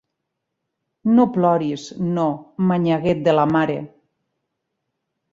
No ploris, no, manyaguet de la mare.